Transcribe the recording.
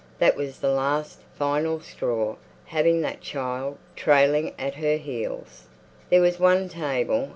That was the last, final straw—having that child, trailing at her heels. There was one table.